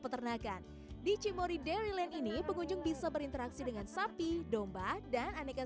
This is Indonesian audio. peternakan di cimory dairyland ini pengunjung bisa berinteraksi dengan sapi domba dan aneka